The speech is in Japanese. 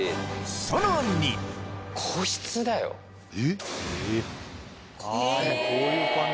さらに！えっ？